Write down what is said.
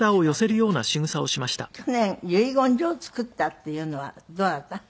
去年遺言状を作ったっていうのはどなた？